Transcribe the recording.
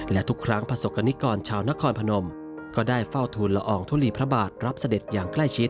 และทุกครั้งประสบกรณิกรชาวนครพนมก็ได้เฝ้าทูลละอองทุลีพระบาทรับเสด็จอย่างใกล้ชิด